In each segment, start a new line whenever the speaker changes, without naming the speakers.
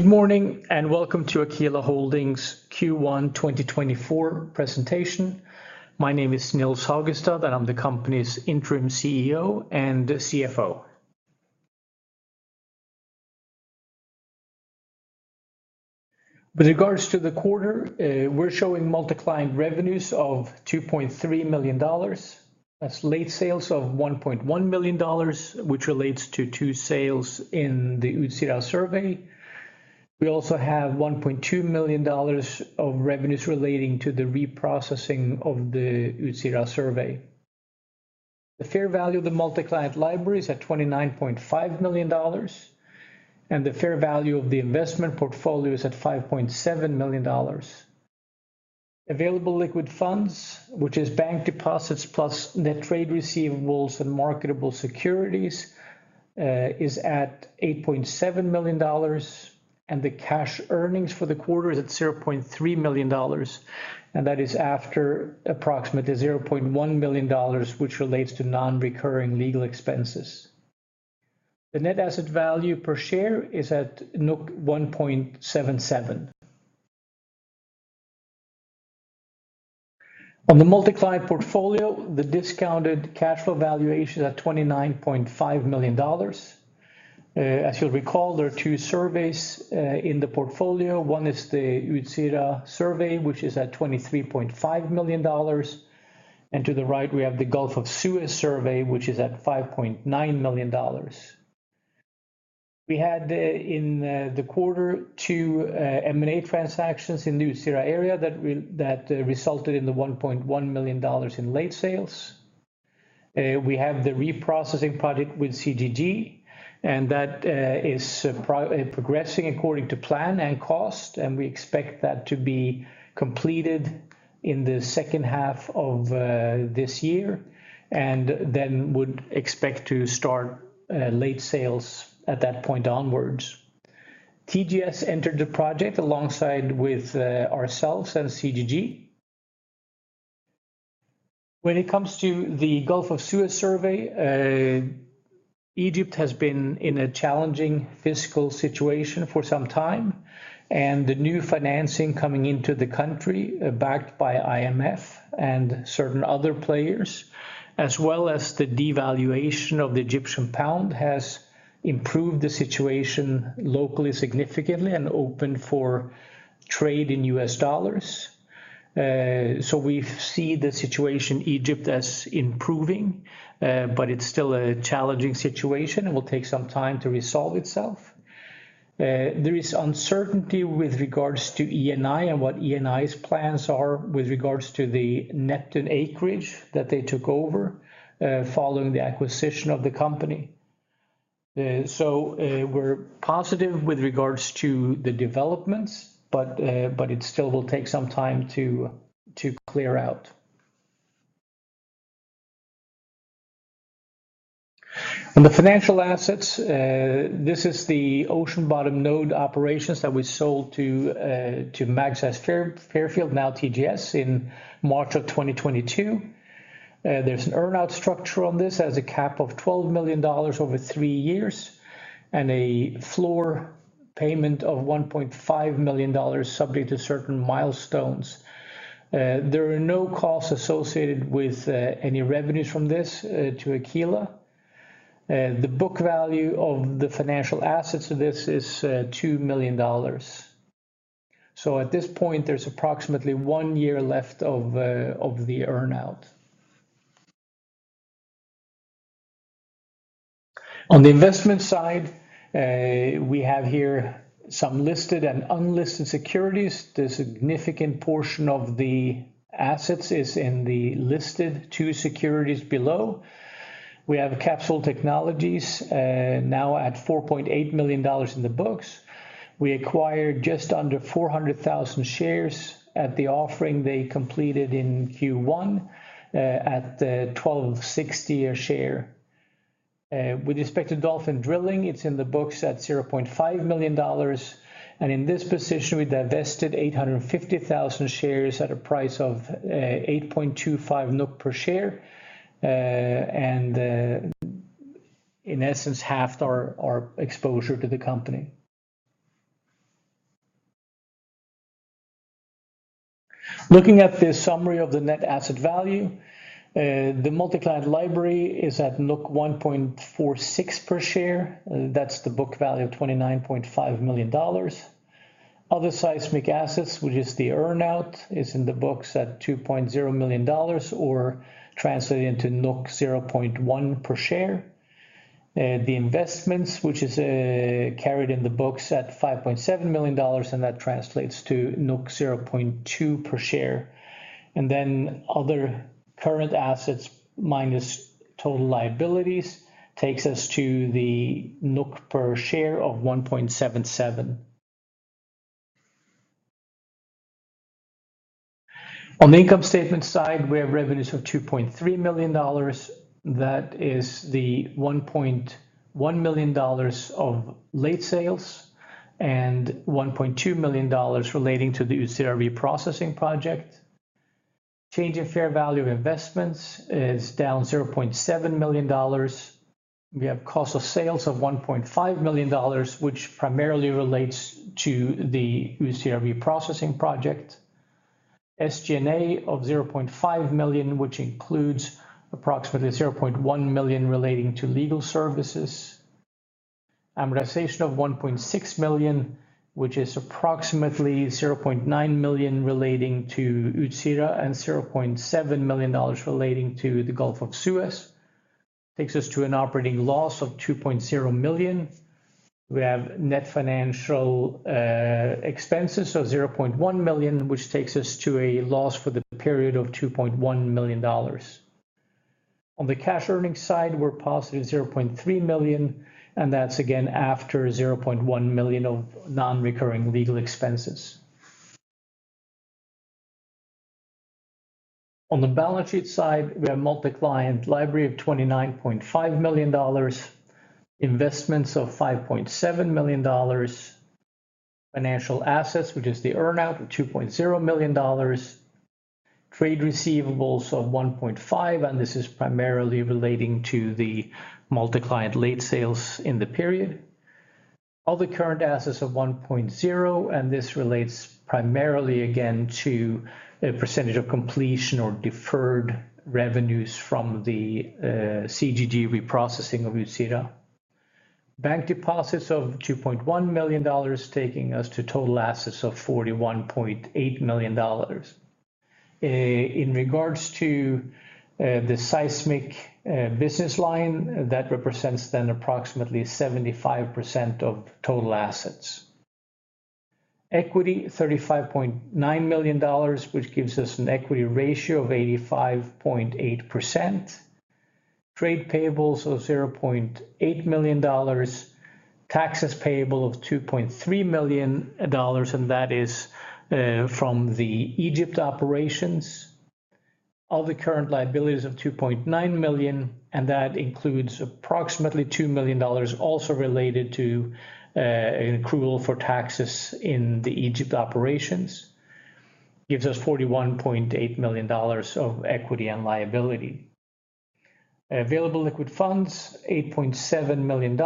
Good morning, and welcome to Aquila Holdings Q1 2024 presentation. My name is Nils Haugestad, and I'm the company's interim CEO and CFO. With regards to the quarter, we're showing multi-client revenues of $2.3 million. That's late sales of $1.1 million, which relates to two sales in the Utsira Survey. We also have $1.2 million of revenues relating to the reprocessing of the Utsira Survey. The fair value of the multi-client library is at $29.5 million, and the fair value of the investment portfolio is at $5.7 million. Available liquid funds, which is bank deposits plus net trade receivables and marketable securities, is at $8.7 million, and the cash earnings for the quarter is at $0.3 million, and that is after approximately $0.1 million, which relates to non-recurring legal expenses. The net asset value per share is at 1.77. On the multi-client portfolio, the discounted cash flow valuation is at $29.5 million. As you'll recall, there are two surveys in the portfolio. One is the Utsira Survey, which is at $23.5 million, and to the right, we have the Gulf of Suez Survey, which is at $5.9 million. We had in the quarter two M&A transactions in the Utsira area that resulted in the $1.1 million in late sales. We have the reprocessing project with CGG, and that is progressing according to plan and cost, and we expect that to be completed in the second half of this year, and then would expect to start late sales at that point onwards. TGS entered the project alongside with ourselves and CGG. When it comes to the Gulf of Suez Survey, Egypt has been in a challenging fiscal situation for some time, and the new financing coming into the country, backed by IMF and certain other players, as well as the devaluation of the Egyptian pound, has improved the situation locally, significantly, and opened for trade in U.S. dollars. So we see the situation in Egypt as improving, but it's still a challenging situation and will take some time to resolve itself. There is uncertainty with regards to Eni and what Eni's plans are with regards to the Neptune acreage that they took over, following the acquisition of the company. So, we're positive with regards to the developments, but it still will take some time to clear out. On the financial assets, this is the ocean-bottom node operations that we sold to Magseis Fairfield, now TGS, in March 2022. There's an earn-out structure on this, has a cap of $12 million over three years and a floor payment of $1.5 million, subject to certain milestones. There are no costs associated with any revenues from this to Aquila. The book value of the financial assets of this is $2 million. So at this point, there's approximately one year left of the earn-out. On the investment side, we have here some listed and unlisted securities. The significant portion of the assets is in the listed two securities below. We have Capsol Technologies now at $4.8 million in the books. We acquired just under 400,000 shares at the offering they completed in Q1 at 12.60 a share. With respect to Dolphin Drilling, it's in the books at $0.5 million, and in this position, we divested 850,000 shares at a price of 8.25 NOK per share, and in essence, halved our exposure to the company. Looking at the summary of the net asset value, the multi-client library is at 1.46 per share. That's the book value of $29.5 million. Other seismic assets, which is the earn-out, is in the books at $2.0 million or translated into 0.1 per share. The investments, which is, carried in the books at $5.7 million, and that translates to 0.2 per share. Then other current assets minus total liabilities takes us to the NOK 1.77 per share. On the income statement side, we have revenues of $2.3 million. That is the $1.1 million of late sales and $1.2 million relating to the Utsira reprocessing project. Change in fair value of investments is down $0.7 million. We have cost of sales of $1.5 million, which primarily relates to the Utsira processing project. SG&A of $0.5 million, which includes approximately $0.1 million relating to legal services. Amortization of $1.6 million, which is approximately $0.9 million relating to Utsira and $0.7 million relating to the Gulf of Suez, takes us to an operating loss of $2.0 million. We have net financial expenses of $0.1 million, which takes us to a loss for the period of $2.1 million. On the cash earnings side, we're positive $0.3 million, and that's again after $0.1 million of non-recurring legal expenses. On the balance sheet side, we have multi-client library of $29.5 million, investments of $5.7 million, financial assets, which is the earn-out of $2.0 million, trade receivables of $1.5 million, and this is primarily relating to the multi-client late sales in the period. Other current assets of $1.0 million, and this relates primarily again to a percentage of completion or deferred revenues from the CGG reprocessing of Utsira. Bank deposits of $2.1 million, taking us to total assets of $41.8 million. In regards to the seismic business line, that represents then approximately 75% of total assets. Equity, $35.9 million, which gives us an equity ratio of 85.8%. Trade payables of $0.8 million. Taxes payable of $2.3 million, and that is from the Egypt operations. All the current liabilities of $2.9 million, and that includes approximately $2 million also related to an accrual for taxes in the Egypt operations, gives us $41.8 million of equity and liability. Available liquid funds, $8.7 million,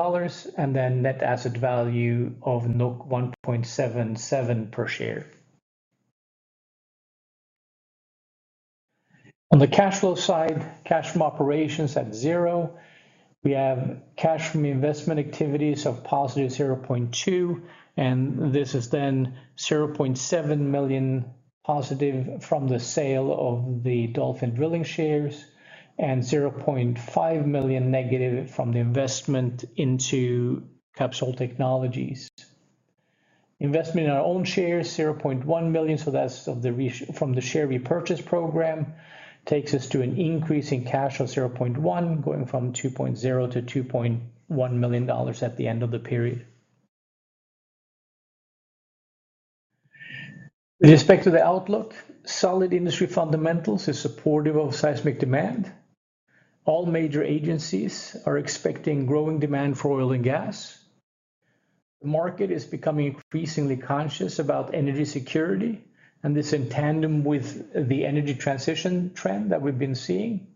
and then net asset value of 1.77 per share. On the cash flow side, cash from operations at zero. We have cash from investment activities of positive $0.2 million, and this is then $0.7 million positive from the sale of the Dolphin Drilling shares and $0.5 million negative from the investment into Capsol Technologies. Investment in our own shares, $0.1 million, so that's from the share repurchase program, takes us to an increase in cash of $0.1 million, going from $2.0 million to $2.1 million at the end of the period. With respect to the outlook, solid industry fundamentals is supportive of seismic demand. All major agencies are expecting growing demand for oil and gas. The market is becoming increasingly conscious about energy security, and this in tandem with the energy transition trend that we've been seeing.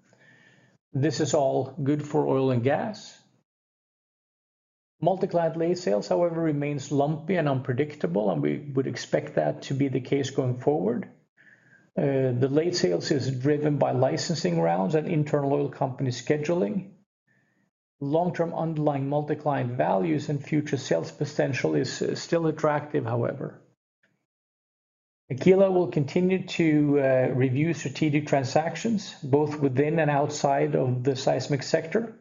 This is all good for oil and gas. Multi-client late sales, however, remains lumpy and unpredictable, and we would expect that to be the case going forward. The late sales is driven by licensing rounds and internal oil company scheduling. Long-term underlying multi-client values and future sales potential is still attractive, however. Aquila will continue to review strategic transactions, both within and outside of the seismic sector.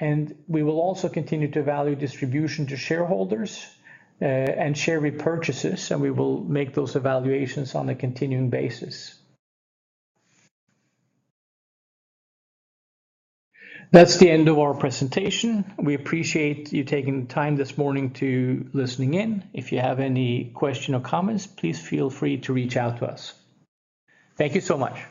We will also continue to value distribution to shareholders, and share repurchases, and we will make those evaluations on a continuing basis. That's the end of our presentation. We appreciate you taking the time this morning to listen in. If you have any questions or comments, please feel free to reach out to us. Thank you so much.